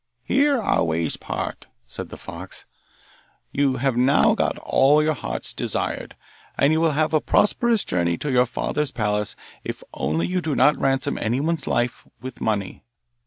'Here our ways part,' said the fox. 'You have now got all that your heart desired, and you will have a prosperous journey to your father's palace if only you do not ransom anyone's life with money.